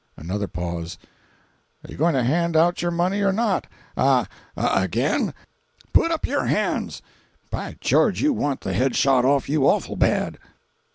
Another pause. Are you going to hand out your money or not? Ah ah—again? Put up your hands! By George, you want the head shot off you awful bad!"